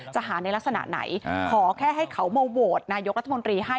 จะหาในลักษณะไหนขอแค่ให้เขามาโหวตนายกรัฐมนตรีให้